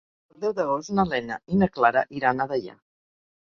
El deu d'agost na Lena i na Clara iran a Deià.